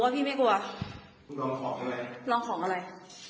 มีไม่กลัว